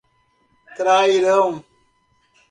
Trairão